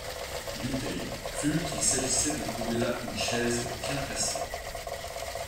Dutheil crut qu'il s'agissait de trouver là une chaise, bien placée.